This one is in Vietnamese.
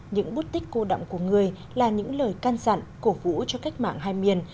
những bút tích cô động của người là những lời can dặn cổ vũ cho cách mạng hai miền